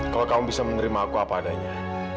kalau kamu bisa menerima aku apa adanya